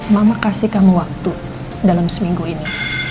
mama kasih kamu waktu dalam seminggu ini